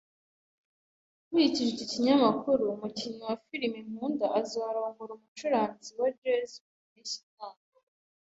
Nkurikije iki kinyamakuru, umukinnyi wa filime nkunda azarongora umucuranzi wa jazz mu mpeshyi itaha.